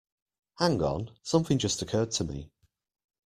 Hang on! Something just occurred to me.